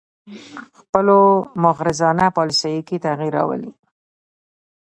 خپلو مغرضانه پالیسیو کې تغیر راولي